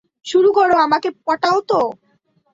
শুরু কর, আমাকে পটাও তো।